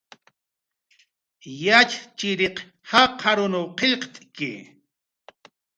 Yatxchiriq jaqarunw qillqt'ki